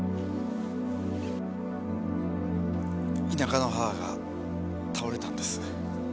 田舎の母が倒れたんです。え！？